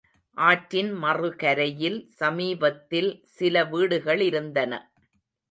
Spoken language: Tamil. ஆற்றின் மறுகரையில் சமீபத்தில் சில வீடுகளிருந்தன.